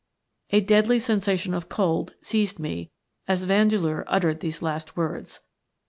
A deadly sensation of cold seized me as Vandeleur uttered these last words.